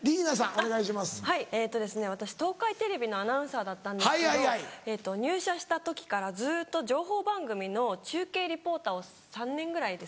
はい私東海テレビのアナウンサーだったんですけど入社した時からずっと情報番組の中継リポーターを３年ぐらいですね。